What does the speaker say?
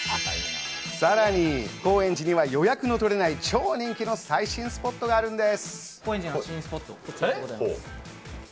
さらに高円寺には予約の取れない、超人気の最新スポットがあるんです。